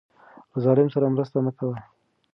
له ظالم سره مرسته مه کوه.